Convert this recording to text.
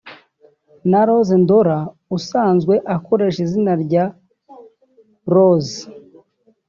na Roz Ndaura usanzwe ukoresha izina rya Roz